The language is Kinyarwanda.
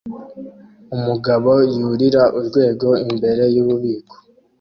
Umugabo yurira urwego imbere yububiko